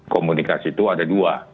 komunikasi itu ada dua